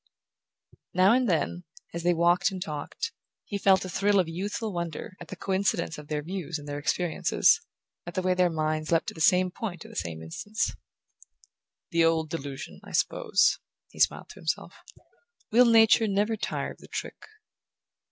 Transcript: Now and then, as they walked and talked, he felt a thrill of youthful wonder at the coincidence of their views and their experiences, at the way their minds leapt to the same point in the same instant. "The old delusion, I suppose," he smiled to himself. "Will Nature never tire of the trick?"